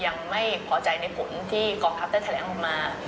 ยังไม่พอใจในผลที่กองทัพแถลงมา